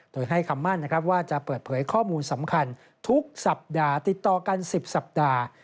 โดยให้คำมั่นนะครับว่าจะเปิดเผยข้อมูลสำคัญทุกสัปดาห์ติดต่อกัน๑๐สัปดาห์